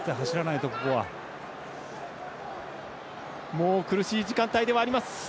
もう苦しい時間帯ではあります。